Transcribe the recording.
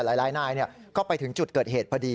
หลายหลายนายเนี่ยก็ไปถึงจุดเกิดเหตุพอดี